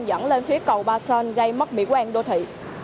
dẫn lên phía cầu ba son gây mất mỹ quen đô thị